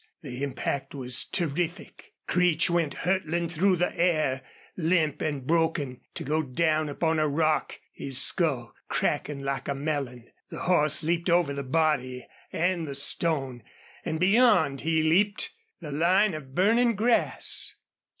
The impact was terrific. Creech went hurtling through the air, limp and broken, to go down upon a rock, his skull cracking like a melon. The horse leaped over the body and the stone, and beyond he leaped the line of burning grass.